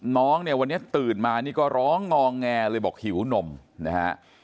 น้องเนี่ยวันนี้ตื่นมานี่ก็ร้องงอแงเลยบอกหิวนมนะฮะ